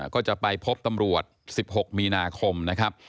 ก็จะไปพบตำรวจ๑๖มีนาคมนะครับ